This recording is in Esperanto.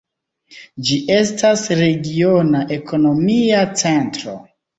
Ĝi estas regiona ekonomia centro.